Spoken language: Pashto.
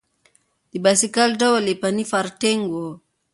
د بایسکل ډول یې پیني فارټېنګ و.